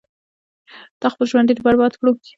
تا خپل ژوند ډیر برباد کړو